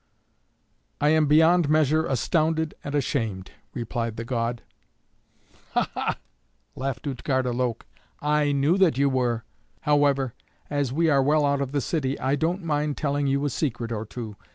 "I am beyond measure astounded and ashamed," replied the god. "Ha! ha!" laughed Utgarda Loke. "I knew that you were. However, as we are well out of the city I don't mind telling you a secret or two.